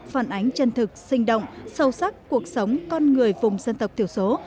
phản ánh chân thực sinh động sâu sắc cuộc sống con người vùng dân tộc thiểu số